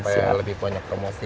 supaya lebih banyak promosi